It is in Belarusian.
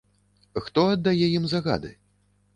Хто аддае ім загады?